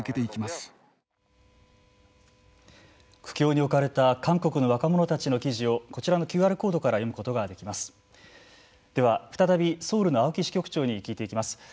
苦境に置かれた韓国の若者たちの記事をこちらのＱＲコードから読むことができます。